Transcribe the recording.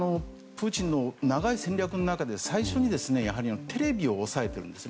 プーチンの長い戦略の中で最初にテレビを抑えているんです。